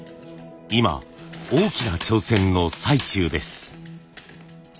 今大きな挑戦の最中です。